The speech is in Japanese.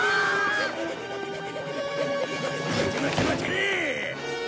待て待て待て！